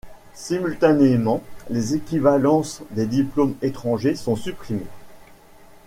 Simultanément, les équivalences des diplômes étrangers sont supprimées.